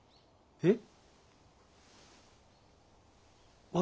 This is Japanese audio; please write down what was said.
えっ？